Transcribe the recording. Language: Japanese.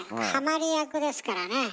ハマり役ですからね。